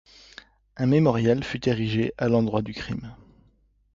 Un mémorial fut érigé à l'endroit du crime.